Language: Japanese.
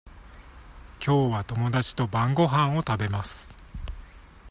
きょうは友達と晩ごはんを食べます。